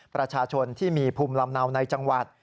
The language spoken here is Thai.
ประชาชนที่มีภูมิลำเนาในจังหวัด